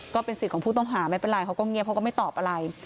ก็เป็นสิทธิ์ของผู้ต้องหาไม่เป็นไรเขาก็เงียบเขาก็ไม่ตอบอะไร